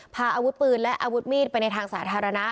พาอาวุธปืนและอาวุธมีดไปในทางสาธารณะ